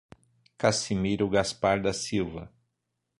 Cassimiro Gaspar da Silva